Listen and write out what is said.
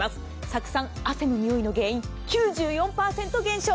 酢酸、汗の臭いの原因９４％減少。